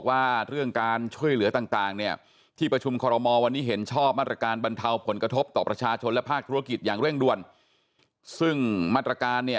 วันนี้มีประชุมคคมค